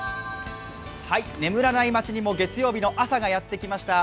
眠らない街にも月曜日の朝がやってきました。